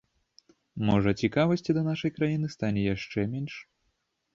Можа, цікавасці да нашай краіны стане яшчэ менш?